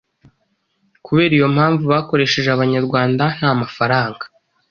Kubera iyo mpamvu bakoresheje Abanyarwanda nta mafaranga